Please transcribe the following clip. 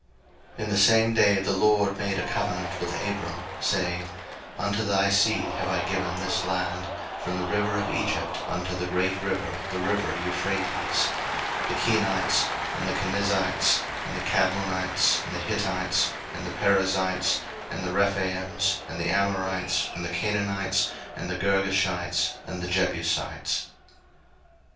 01:015:018 In the same day the LORD made a covenant with Abram, saying, Unto thy seed have I given this land, from the river of Egypt unto the great river, the river Euphrates: 01:015:019 The Kenites, and the Kenizzites, and the Kadmonites, 01:015:020 And the Hittites, and the Perizzites, and the Rephaims, 01:015:021 And the Amorites, and the Canaanites, and the Girgashites, and the Jebusites.